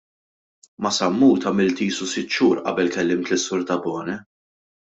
Ma' Sammut għamilt qisu sitt xhur qabel kellimt lis-Sur Tabone.